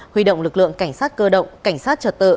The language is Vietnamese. huy động lực lượng cảnh sát cơ động cảnh sát trật tự